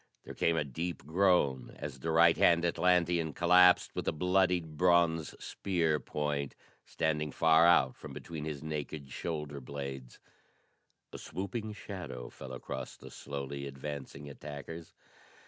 There came a deep groan as the right hand Atlantean collapsed with a bloodied bronze spear point standing far out from between his naked shoulder blades. A swooping shadow fell across the slowly advancing attackers.